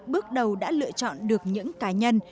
bước đầu đã lựa chọn được những cá nhân